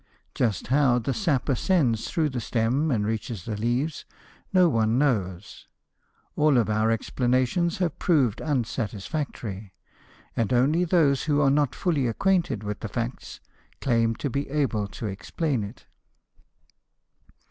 Just how the sap ascends through the stem and reaches the leaves, no one knows. All of our explanations have proved unsatisfactory, and only those who are not fully acquainted with the facts claim to be able to explain it.